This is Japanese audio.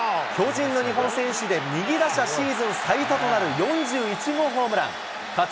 巨人の日本選手で右打者シーズン最多となる４１号ホームラン。